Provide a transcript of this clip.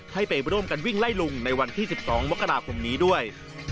ให้ไปร่วมกันวิ่งไล่ลุงในวันที่๑๒มกราคมนี้ด้วย